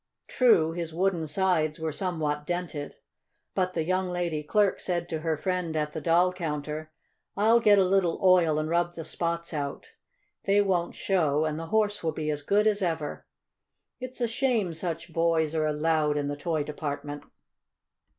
True, his wooden sides were somewhat dented, but the young lady clerk said to her friend at the doll counter: "I'll get a little oil and rub the spots out. They won't show, and the Horse will be as good as ever. It's a shame such boys are allowed in the toy department."